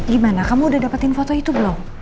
gimana kamu udah dapetin foto itu belum